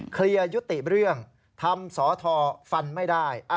เคลียร์ยุติเรื่องทำสอทอฟันไม่ได้